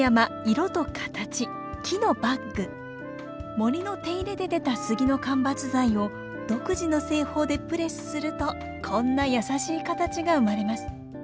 森の手入れで出た杉の間伐材を独自の製法でプレスするとこんな優しい形が生まれます。